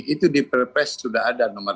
itu di perpes sudah ada nomor lima puluh lima